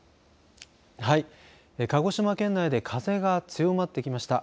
はい、鹿児島県内で風が強まってきました。